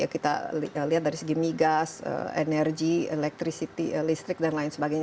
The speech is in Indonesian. kita lihat dari segi migas energi elektri listrik dan lain sebagainya